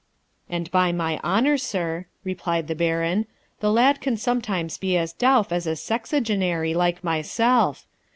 'And by my honour, sir,' replied the Baron,'the lad can sometimes be as dowff as a sexagenary like myself.